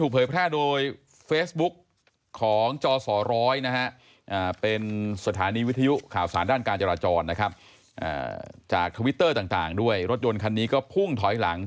เผยเผยตกลงไปทั้งคันน่ะ